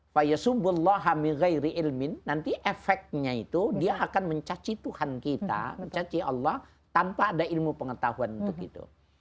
fayasubullahiri ilmin ⁇ nanti efeknya itu dia akan mencaci tuhan kita mencaci allah tanpa ada ilmu pengetahuan untuk itu